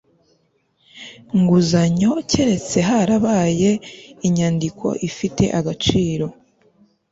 nguzanyo keretse harabaye inyandiko ifite agaciro